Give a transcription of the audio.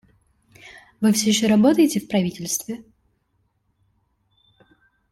Вы всё еще работаете в правительстве?